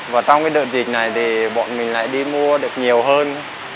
và trong cái đợt dịch này thì bọn mình lại đi mua được nhiều hơn